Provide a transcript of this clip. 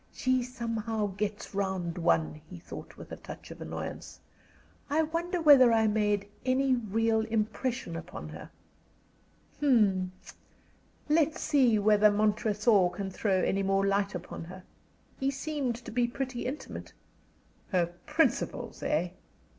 "She somehow gets round one," he thought, with a touch of annoyance. "I wonder whether I made any real impression upon her. Hm! Let's see whether Montresor can throw any more light upon her. He seemed to be pretty intimate. Her 'principles,' eh?